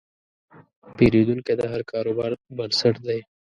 پیرودونکی د هر کاروبار بنسټ دی.